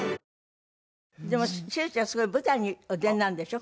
でもしずちゃん舞台にお出になるんでしょ？